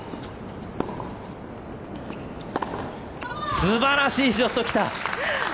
素晴らしいショット来た！